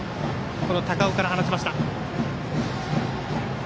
高尾から放ちました。